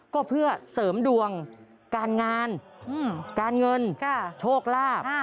ก็เพื่อเสริมดวงการงานการเงินโชคลาภ